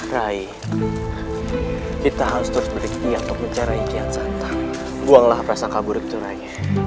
rai kita harus terus berikti untuk mencari reykjian santang buanglah prasaka buruk itu rai